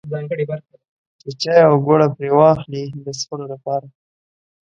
چې چای او ګوړه پرې واخلي د څښلو لپاره.